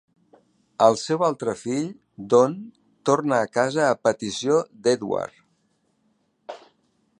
El seu altre fill, Don, torna a casa a petició d'Edward.